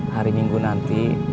hari minggu nanti